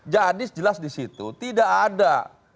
jadi jelas disitu tidak ada